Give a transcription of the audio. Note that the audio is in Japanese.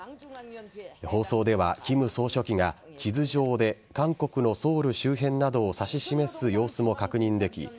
放送では、金総書記が地図上で韓国のソウル周辺などを指し示す様子も確認でき